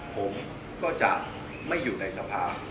ผมก็จะไม่อยู่ในสภา